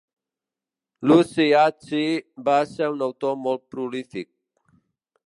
Luci Acci va ser un autor molt prolífic.